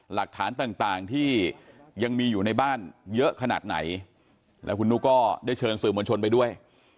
หลักฐานต่างที่ยังมีอยู่ในบ้านเยอะขนาดไหนแล้วคุณนุ๊กก็ได้เชิญสื่อมวลชนไปด้วย